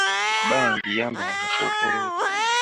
Bambi yambala akakookoolo ko.